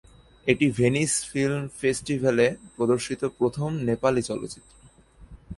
এটি Venice film ফেস্টিভ্যালে প্রদর্শিত প্রথম নেপালি চলচ্চিত্র।